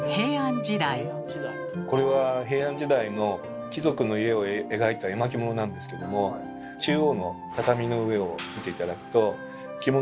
これは平安時代の貴族の家を描いた絵巻物なんですけども中央の畳の上を見て頂くと敷物みたいなのがありますよね。